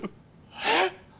・えっ？